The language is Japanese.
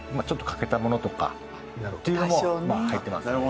ちょっと欠けたものとかっていうのも入ってます。